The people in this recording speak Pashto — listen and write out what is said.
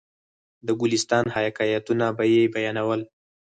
د ګلستان حکایتونه به یې بیانول.